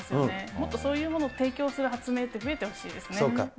もっとそういうものを提供する発明って増えてほしいですね。